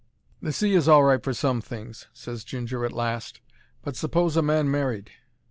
"The sea is all right for some things," ses Ginger at last, "but suppose a man married!"